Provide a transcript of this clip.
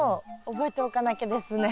覚えておかなきゃですね。